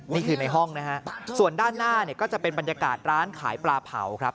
นี่คือในห้องนะฮะส่วนด้านหน้าเนี่ยก็จะเป็นบรรยากาศร้านขายปลาเผาครับ